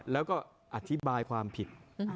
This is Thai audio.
แล้วก็อธิบายความผิด